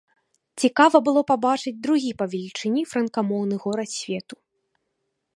Цікава было пабачыць другі па велічыні франкамоўны горад свету.